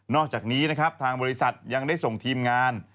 อกจากนี้นะครับทางบริษัทยังได้ส่งทีมงาน